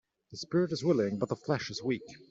The spirit is willing but the flesh is weak